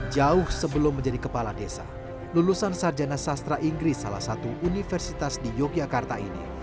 jauh sebelum menjadi kepala desa lulusan sarjana sastra inggris salah satu universitas di yogyakarta ini